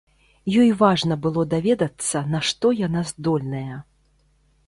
Ёй важна было даведацца, на што яна здольная.